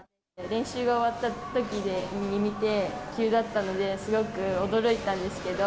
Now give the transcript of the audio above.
練習が終わったときに見て、急だったので、すごく驚いたんですけど。